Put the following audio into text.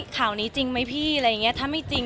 ข่าวนี้จริงไหมพี่ถ้าไม่จริง